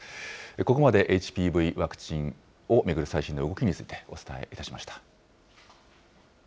ここまで、ＨＰＶワクチンを巡る最新の動きについて、お伝えいたしました。